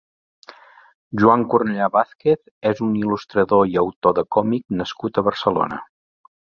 Joan Cornellà Vázquez és un il·lustrador i autor de còmic nascut a Barcelona.